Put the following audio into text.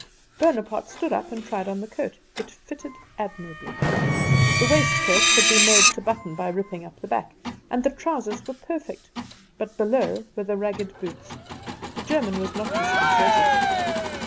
Bonaparte stood up and tried on the coat. It fitted admirably; the waistcoat could be made to button by ripping up the back, and the trousers were perfect; but below were the ragged boots. The German was not disconcerted.